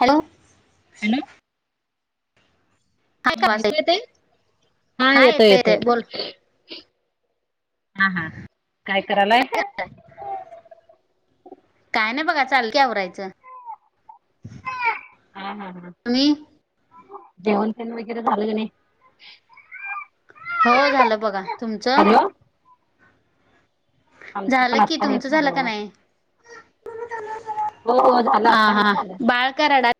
Hello. [unintelligible] हाय का वास हा येतोय येतं येतोय. येतय बोल हां हां, काय करालाय? काय नाही बघा चाल कि उवरायचं. हा हा हा. तुम्ही जेवण तेण वगैरे झालं क नाही? हो झालं बघा, तुमचं? हॅलो आमचं पण झालं कि आत्ता हेच तुमचं झालं का बघा. नाही? हो हो झालं आ आता हेच हा झालं. बाळ का रडात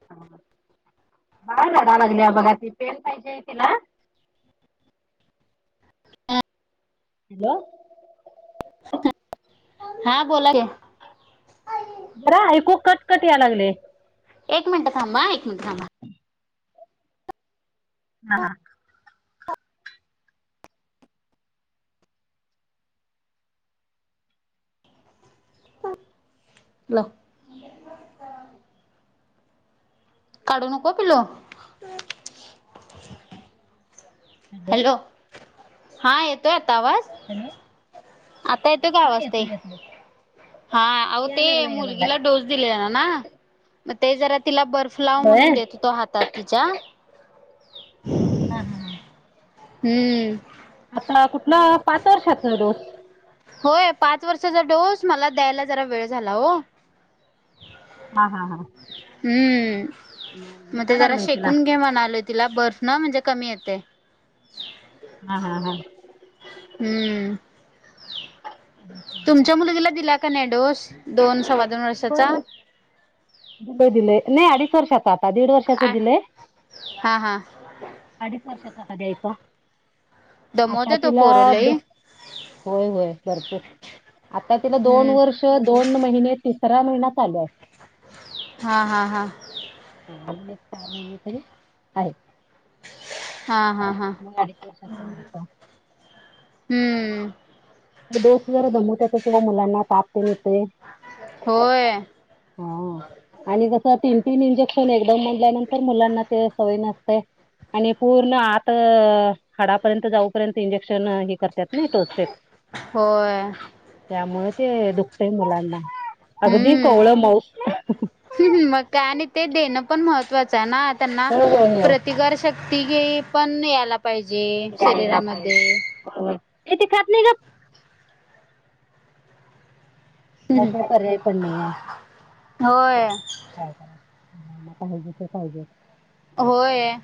[unintelligible] हॅलो. हा बोला की. खरं ऐकू कटकट या लागलय. एक मिनटं थांबा, एक मिनट थांबा. हा हा. ल. काढू नको पिलू. हॅलो, हा येतोय आता आवाज? हॅलो. आता का हा आवाज ते येतोय येतोय. हा अहो याय ते लागलाय याय लागलाय. मुलगीला डोस दिललना, म ते जरा तिला बर्फ फ्लाव होय म्हणून देत हा होतो हातात तिच्या. हा हा हा. हम्म. आता कुठल पाच वर्षातलं डोस. होय पाच वर्षाचा डोस मला द्यायला जरा वेळ झाला हो. हा हा हा. हम्म, मग ते दुखाय जरा लागलय तिला शेकून घे म्हणालो तिला बर्फ न म्हणजे कमी येते. हा हा हा. हम्म! तुमच्या मुलगीला दिला का नाय डोस दोन सव्वा दोन वर्षाचा. होय दिलंय नाही अडीच वर्षाच आता दीड वर्षाचं आ दिलंय. हा हा. अडीच वर्षाचा आत्ता द्यायचा आता दमवते तो तिला. पोरं लई होय होय भरपूर आता तिला दोन हम्म वर्ष दोन महिने तिसऱ महिना चालू आहे. हा हा हा. ह आ नेट चार महिने तरी आहेत. हा हा हा मग अडीच वर्षाचा द्यायचा हम्म! डोस जरा दमोवत्यातच व मुलांना तापतेन येतय. होय. हा. आणि जसं तीन तीन इंजेक्शन एकदम मनल्यानंतर मुलांना ते सवय नसते. आणि पूर्ण आत. हाडापर्यंत जाऊपर्यंत इंजेक्शन हे करतात नय टोचते. होय. त्यामुळे ते दुखतय मुलांना अगदी कवळं मऊ. ह मग काय आणि ते देणं पण महत्त्वाचं आहे ना, त्यांना होय होय होय प्रतिकारशक तिघे पण याला पाहिजे. घ्यायला शरीरामध्ये. पाहिजे ते खात नाही गप. त्यात काय पर्याय पण नाही आहे. होय. कायला पाहिजे ते पाहिजे. होय.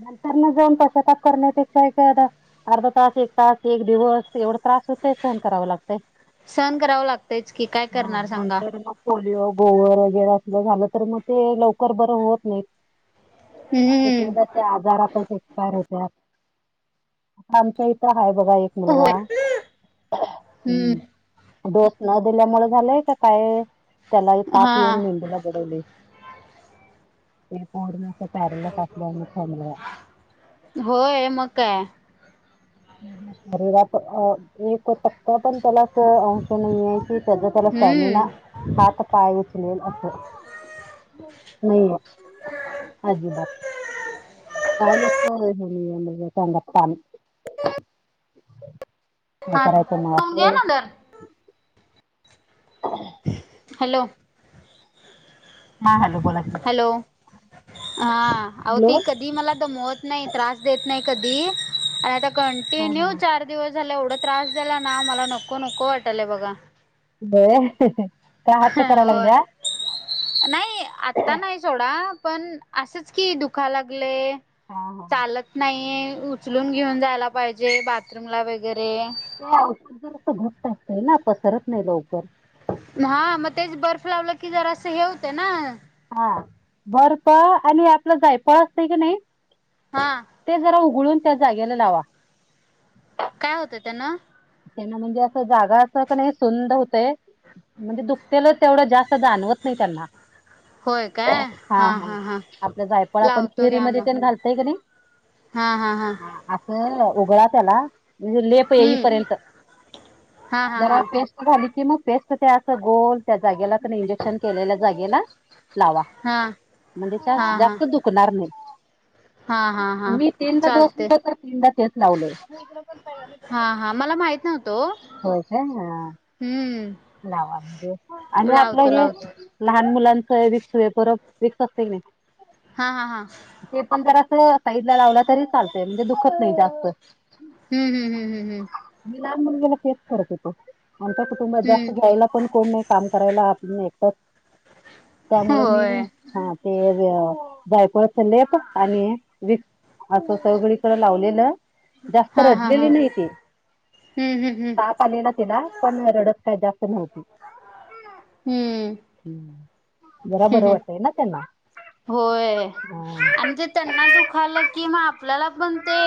नंतर न जाऊन पशातप करण्यापेक्षा [unintelligible] अर्धा तास एक तास एक दिवस एवढा त्रास होतय. सहन कराव लागतं. सहण कराव लागतयच की काय करणार सांगा. नंतर मग पोलिओ गोवर वगैरे अस झालं तर मग ते लवकर बरं होत नाही. एक हम्म एकदा. त्या आजारातच एक्सपायर होत्यात आमच्या इथं हाय बघा एक. होय. मुलगा हम्म. दडोस न दिल्यामुळे झालंय का काय त्यालाही ताप हा येऊन मेंदूला [unintelligible] प्यारेलसअसल्यामुळे. होय मग काय. शरीरात एक टक्का पण त्याला. अंश नाही आहे की त्याचा त्याला स्टॅमिना हम्म. हात पाय उचलेल असे. नाहीये अजिबात. कायत हे म [unintelligible] काय हा. करायचं मग असं. [inaudible] हॅलो! हा हॅलो बोला की हॅलो! हा आवो हॅलो ते क ती मला दमवत नाई, त्रास देत नाई कदी, आणी आता हा कंटीन्यु हा चार दिवस झाला एवढं त्रास दिला ना, मला नको नको वाटलय बघा. होय. का हट्ट करायल होय लागल्या? नाही, आता नाही सोडा पण असेच की दुखा लागलय. हा हा चालत नाहीये, उचलून घेऊन जायला पाहिजे, बाथरूम ला वगैरेऽ. ते औषध जर अस घटटअसतय ना, पसरत नाही लवकर‌. हा, मग तेच बर्फ लावलं की जरा असं हे होते ना. हा, बरप आणि आपलं जाय पळ असतय का नाहीऽ. हां. ते जरा उघळून त्या जागेला लावा. काय होतं त्यांना? त्यांना म्हणजे असं जागा असं क नाही सुंद होतय. म्हणजे दुखतेलं तेवढं जास्त जाणवत नाही त्यांना. हा हा आपलं जायफळ आपण लावतो घ्या खिरीमध्ये मग पण घालतय का नाही. हा हा हा. असं उघड त्याला म्हणजे लेप येईपर्यंत. हम्म हा हा जरा हा पे. ली की मग पेस्ट ते असं गोल त्या जागेला प इंजेक्शन केलेल्या जागेला लावा. हा म्हणजे त्या हा हा जास्त दुखणार हा नाहीत. हा हा मी तीनदा डोस चालते दिलो तर, तीनदा तेच लावलो. हा हा मला माहित नव्हतं वो. हो काय? आंऽ हम्म, लावा म्हणजे, आणि आपलं लावतो हेऽ. लावतो लहान मुलांचं विक्स वेपोरब विक्स असतय क नाहीऽ. हा, हा हा. ते पण जर असं साईडला लावलं तरी चालतय, म्हणजे दुखत नाही जास्त. हम्, हम, हम, हम, हम मी लहान मुलगीला तेच करत होतो, आमचा कुटुंबात हम्म जास्तऽ. त्याला पण कोण नाही काम करायला, आपण ऐकच हम्म त्यामुळे मी होय हां. ते जायपळचा लेप आणि व. असं सगळीकड लावलेलं, जास्त हा हा हा रडलेली नाही ती. हम्म हम्म हम्म आलेला तीला पण रडत काय जास् नव्हती. हम्म, हम्म, जरा बर हम्म वाटतय ना त्यांना. होय, आणि ते त्यांना दुखालं की मग आपल्याला पण ते.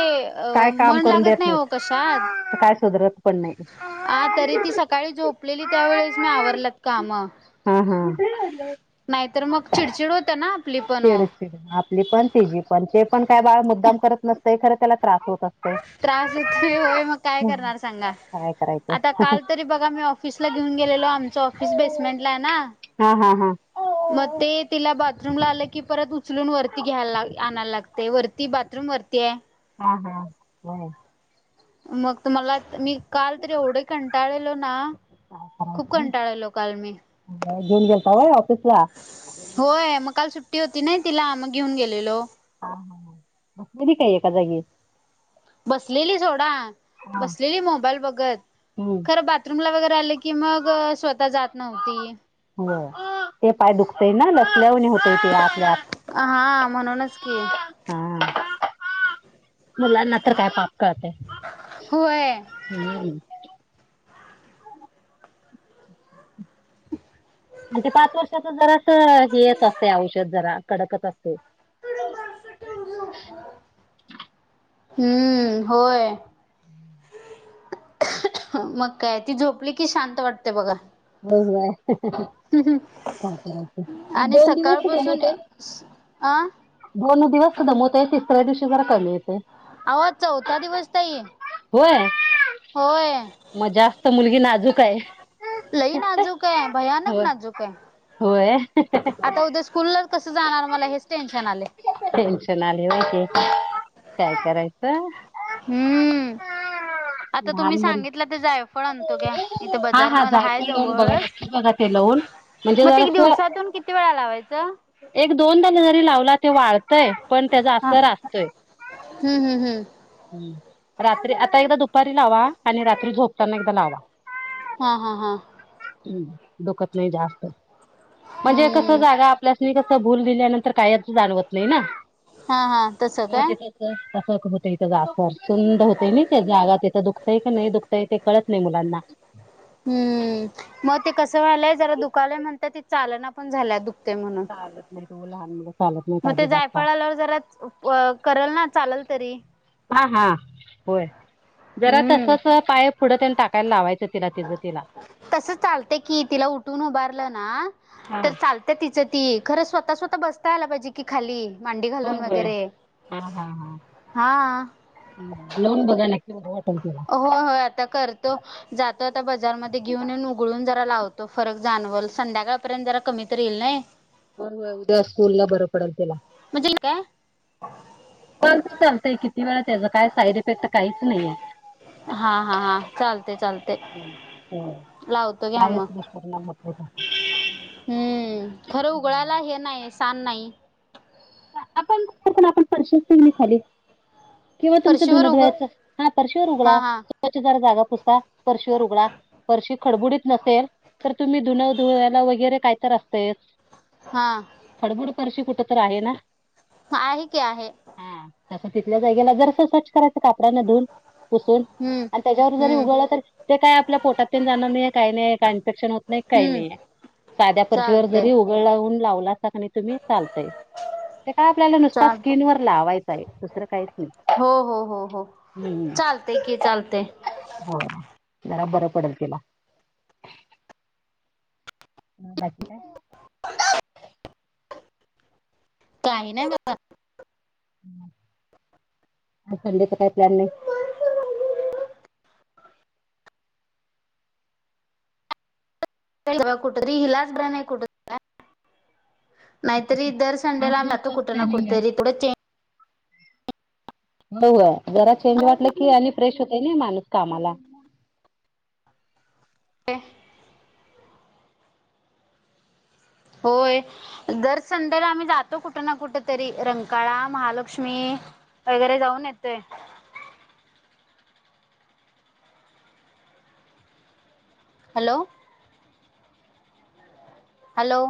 काय काम मन करून लागत देत नाही, हो कशात. तर काय सुधरत पण नाही. आ, तरी ती सकाळी झोपलेली त्यावेेळेस मी आवरलात कामं. हा, हा, नाहीतर मग चिडचिड होतं ना. आपली पण ओ चिडचिड आपली पण तिजी पण ते पण काय बाळ मुद्दाम करत नसतंय खरं त्याला त्रास होत असत. त्रास होतोय, होय, मग काय करणार सांगा? काय आता करायचं काल तरी बघा मी ऑफिसला घेऊन गेलेलो, आमचं ऑफिस बेसमेंटला आहे ना, हा, हा, हा मग ते, तिला बाथरूम ला आलं की परतऽ. उचलून वरती घ्यायला, आणायला लागतय, बाथरूमवरती आहे. हा, हा, वय, मग तुम्हाला, मी काल तरी एवढं कंटाळलो ना, खूप कंटाळलो काल मी घेऊन गेलता वय, ऑफिस ला? होय, मग काल सुट्टी होती नाही तिला, मग घेऊन गेलेलो. हा, हा, ह, बसलेली काय एखा जागी? बसलेली सोडा हा बसलेली मोबाईल बघत हम्म खरं बात [unintelligible] वगैरे आले की मग अ स्वतः जात नव्हती होय ते पाय दुखतंय ना लचल्यावाणी होतंय ते आतल्याआत हा म्हणूनच की हा मुलांना तर काय पाप कळतंय होय. हम्म. आणि ते पाच वर्षाच जर असं हेअच असतय औषधं जरा कडकच असतय. हम्म होय. [inaudible] मग काय ती झोपली कि शांत वाटतंय बघा. होय होय हम काय करायचं हम एक आणि दोन दिवस सकाळपासून य. दमवतय. आं. दोन दिवस दमवतय, तिसऱ्या दिवशी जरा कमी येतय. आवो आज चौथा दिवस ताई वय. होय. म जास्त मुलगी नाजूक आहे. लइ नाजूक आहे, भयानक होय नाजूक आहे. होय. आता उद्या स्कूलला कसं जाणार मला हेच टेन्शन आलंय. टेन्शन आले होते काय करायचं. हम्म आता तुम्ही लहान मुल सांगितलंत. इथे जायफळ आणतो घ्या इथे हा बजार हा मध हाय जायफळ लावून बघा जवळच. नक्की बघा ते लावून म्हणजे जरासं. तुन किती वेळा लावायचं. एक दोन दाणे जरी लावला ते वाळ. हय पण त्याचा हा असर असतोय. हम्म हम्म हम्म हम्म रात्री आता एकदा दुपारी लावा आणि रात्री झोपताना एकदा लावा. हा हा हा. उम दुखत नाही जास्त म्हणजे कसं हम्म जागा आप आपल्यास नी कसं भूल दिल्यानंतर कायच जाणवत नाही ना. हा हा तसं काय? तसं एक होतंय इथं जाफर सुंद होतय नाही जागा तिथं दुखतय की नाही दुखतय ते कळत नाही मुलांना हम्म मग ते कसं व्हायलय जरा दुखालय म्हणत्या ती चालना पण झाल्या दुखतेय म्हणू. चालत नाहित ओ लहान मुलं चालत नाहीत मग ते अजिबात पाप. जायफळाला जराच प करल ना चाललं तरी हा हा होय जरा हम्म तसच अ पाय पुढं त्यानं टाकाय लावायचं. त तिला तिज तिला तसं चालतंय की तिला उठून उभारलं ना हा तर चाल. तिचं ती खरं स्वतः स्वतः बसता यायला पाहिजे. कि खाली मांडी होय घालून होय. वगैरे हां. लऊन बघाना [unintelligible] तिला होय होय आता करतो. जातो आता बजार मध्ये घेऊन येऊन उगळून जरा लावतो फरक जाणवल संध्याकाळपर्यंत जरा कमी तर येईल नाही. पण व उद्या स्कूलला बरं पडल तिला म्हजेल काय? चालतंय चालतंय किती वेळा त्याच काय साईड इफेक्ट काहीच नाहीये. हा हा हा चालतंय चालतंय हो लावतो घ्या कायच मग दुष्परिणाम होत नाही त्याचा. हम्म खरं उगळायला हे नाही सान नाही. आपण आपण आपण फरशात टीव्ही खाली केव्हा तुमचं फरशीवर धुन उघ धुवायच हा फरशीवर उगळा हा हा त्व्ितार जागा पुसता परर्शवर उघडा. वर्षी खडबडीत नसेल तर तुम्ही धुन धुला वगैरे काय तर असतायस. हा. फडबड पर्शी कुठ तर आहे ना. आहे की आहे. हा तसं तिथल्या जागेला जरसं स्वच्छ करायचं कापडा न धुन पुसून. हम्म आणि त्याच्यावर जरी हम्म उगळ तर. ते काय आपल्या पोटात तेन जाणार नाहीे काही नाही का इन्फेक्शन होत नाही काही हम्म नाहीे. साध्या पर्शीवर चालते जरी उगळून लावलासा कनय तुम्ही चालताय. ते का आपल्याला नुसता चाल स्किन वर लावायचं आहे दुसरं काहीच नाही. चालतेय की चालतेय. बर जरा बरं पडल तिला. अ बाकी काय. [inaudible] काही नाही बघ. संडेचा काय प्लॅन नाही. कुठत इलाास ब्रन कठ [inaudible] नाहीतरीदर संडेला जातो आ कुठ कुठेतरी तेवढेच चेंज. होय होय जरा चेंज वाटलं की आणि फ्रेश होतय नाही माणूस कामाला. तेे होय. दर संडेला आम्ही जातो कुठं ना कुठ तरी रंकाळा महालक्ष्मी. वगैरे जाऊन येतोय. हॅलो. हॅलो.